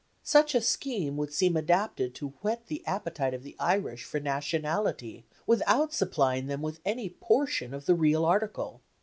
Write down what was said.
Such a scheme would seem adapted to whet the appetite of the Irish for nationality, without supplying them with any portion of the real article.